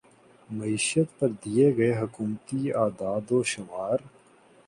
معیشت پر دیے گئے حکومتی اعداد و شمار